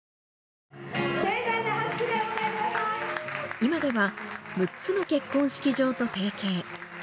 今では６つの結婚式場と提携。